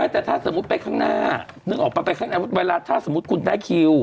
แต่ถ้าสมมุติไปข้างหน้าเช่นไวล่าถ้าสมมุติคุณได้คิว